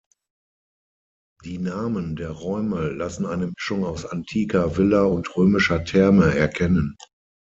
Die Namen der Räume lassen eine Mischung aus antiker Villa und römischer Therme erkennen.